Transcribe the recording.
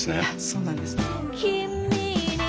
そうなんです。